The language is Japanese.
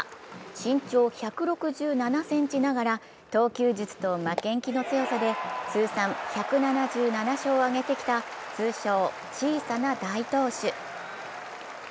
身長１６７ｃｍながら、投球術と負けん気の強さで通算１７７勝を上げてきた通称・小さな大投手。